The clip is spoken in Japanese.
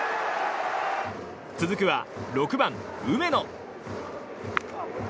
続くは６番、梅野。